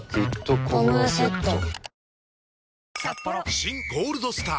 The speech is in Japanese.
「新ゴールドスター」！